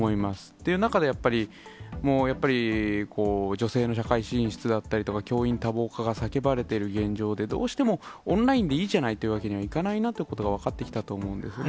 という中でやっぱり、女性の社会進出だったりとか、教員多忙化が叫ばれてる現状で、どうしてもオンラインでいいじゃないという訳にいかないなってことが分かってきたと思うんですね。